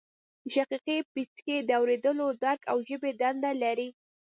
د شقیقې پیڅکی د اوریدلو درک او ژبې دنده لري